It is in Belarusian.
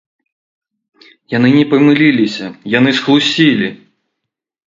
Яны не памыліліся, яны схлусілі!